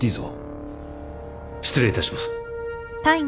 失礼いたします。